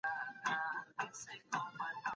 څه شی رسمي سفر له لوی ګواښ سره مخ کوي؟